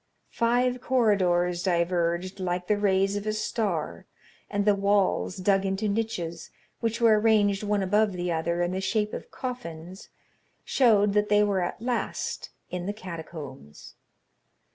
Five corridors diverged like the rays of a star, and the walls, dug into niches, which were arranged one above the other in the shape of coffins, showed that they were at last in the catacombs.